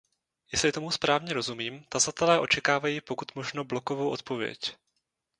Jestli tomu správně rozumím, tazatelé očekávají pokud možno blokovou odpověď.